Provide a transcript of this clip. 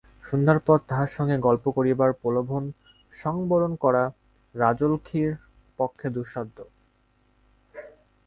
সন্ধ্যার পর তাঁহার সঙ্গে গল্প করিবার প্রলোভন সংবরণ করা রাজলক্ষ্মীর পক্ষে দুঃসাধ্য।